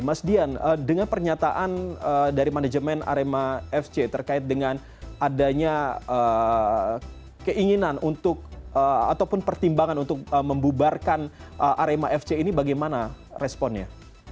mas dian dengan pernyataan dari manajemen arema fc terkait dengan adanya keinginan untuk ataupun pertimbangan untuk membubarkan arema fc ini bagaimana responnya